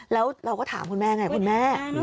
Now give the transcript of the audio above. แล้วเราก็ถามคุณแม่ไงคุณแม่